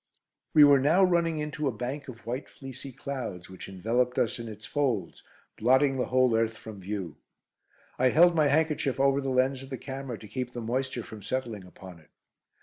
We were now running into a bank of white fleecy clouds, which enveloped us in its folds, blotting the whole earth from view. I held my handkerchief over the lens of the camera to keep the moisture from settling upon it.